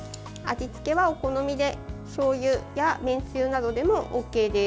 味付けはお好みでしょうゆやめんつゆなどでもＯＫです。